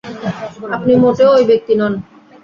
আপনি মোটেও ওই ব্যক্তি নন।